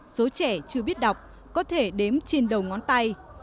số trẻ chưa biết đọc có thể đếm trên đầu ngón tay